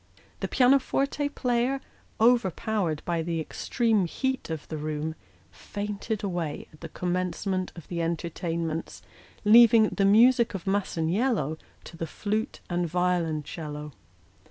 The piano forte player, overpowered by the extreme heat of the room, fainted away at the commencement of the entertainments, leaving the music of " Masaniello " to the flute and violoncello.